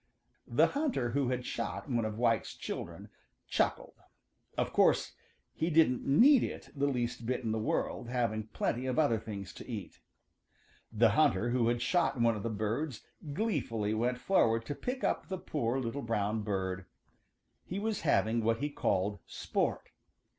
= |The hunter who has shot one of White's children chuckled of course he didn't need it the least bit in the world, having plenty of other things to eat. The hunter who had shot one of the birds gleefully went forward to pick up the poor little brown bird. He was having what he called sport.